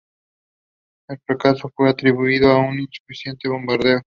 El fracaso fue atribuido a un insuficiente bombardeo.